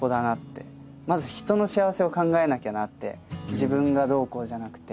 まず人の幸せを考えなきゃなって自分がどうこうじゃなくて。